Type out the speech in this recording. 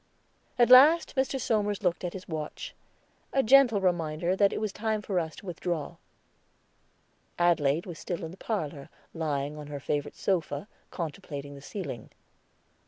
At last Mr. Somers looked at his watch, a gentle reminder that it was time for us to withdraw. Adelaide was still in the parlor, lying on her favorite sofa contemplating the ceiling.